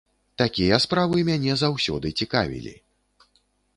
Такія справы мяне заўсёды цікавілі.